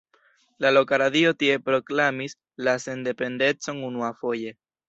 La loka radio tie proklamis la sendependecon unuafoje.